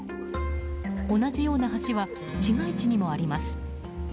同じような橋は市街地にもあります。